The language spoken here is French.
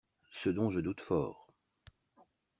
Ce dont je doute fort!